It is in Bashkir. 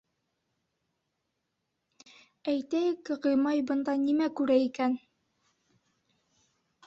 Әйтәйек, Ғимай бына нимә күрә икән?